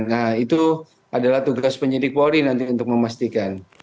nah itu adalah tugas penyidik polri nanti untuk memastikan